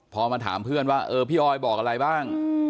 พอมาถามเพื่อนว่าเออพี่ออยบอกอะไรบ้าง